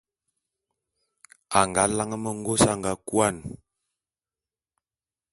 A nga lane mengôs a nga kôan.